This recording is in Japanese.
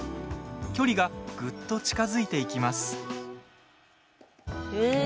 距離がぐっと近づいていきます。